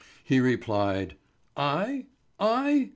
He replied: "I? I?